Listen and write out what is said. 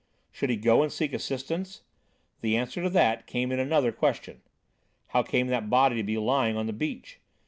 Should he go and seek assistance? The answer to that came in another question. How came that body to be lying on the beach?